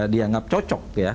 dianggap cocok ya